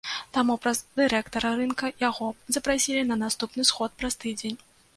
Таму праз дырэктара рынка яго запрасілі на наступны сход праз тыдзень.